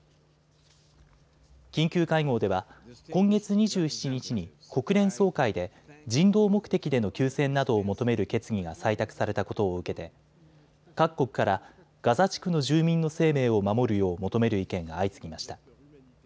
緊急会合では今月２７日に国連総会で人道目的での休戦などを求める決議が採択されたことを受けて各国からガザ地区の住民の生命を守るよう求める意見が相次ぎました。